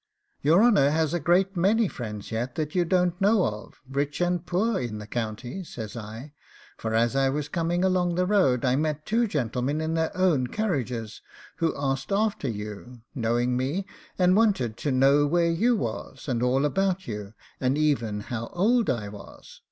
'Your honour has a great many friends yet that you don't know of, rich and poor, in the county,' says I; 'for as I was coming along the road I met two gentlemen in their own carriages, who asked after you, knowing me, and wanted to know where you was and all about you, and even how old I was.